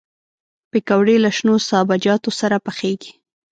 پکورې له شنو سابهجاتو سره پخېږي